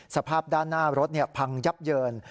สภาพด้านหน้ารถพังยับเยิน